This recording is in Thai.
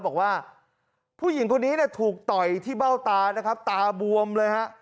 บอกว่าผู้หญิงคนนี้เนี่ยถูกต่อยที่เบ้าตานะครับตาบวมเลยฮะ